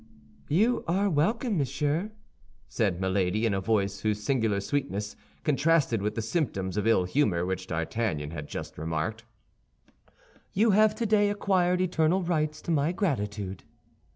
"You are welcome, monsieur," said Milady, in a voice whose singular sweetness contrasted with the symptoms of ill humor which D'Artagnan had just remarked; "you have today acquired eternal rights to my gratitude."